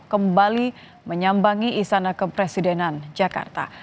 kembali menyambangi istana kepresidenan jakarta